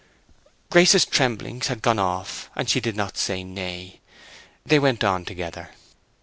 Grace's tremblings had gone off, and she did not say nay. They went on together.